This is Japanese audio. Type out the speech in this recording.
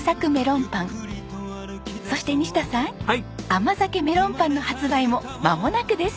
甘酒メロンパンの発売もまもなくです。